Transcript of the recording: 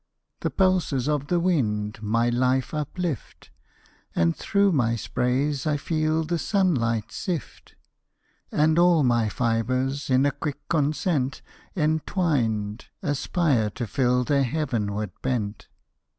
"The pulses of the wind my life uplift, And through my sprays I feel the sunlight sift; "And all my fibres, in a quick consent Entwined, aspire to fill their heavenward bent.